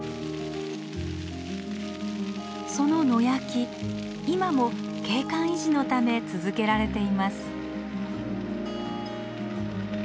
その野焼き今も景観維持のため続けられています。